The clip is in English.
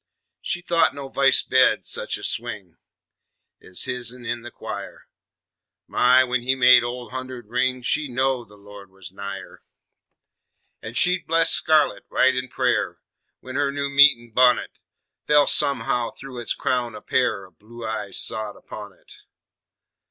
She thought no v'ice bed sech a swing Ez hisn in the choir; My! when he made Ole Hundred ring, She knowed the Lord was nigher. An' she'd blush scarlit, right in prayer, When her new meetin' bunnet Felt somehow thru its crown a pair O' blue eyes sot upun it.